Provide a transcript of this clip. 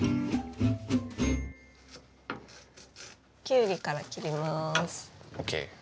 きゅうりから切ります。